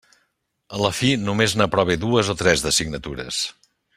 A la fi només n'aprove dues o tres, d'assignatures.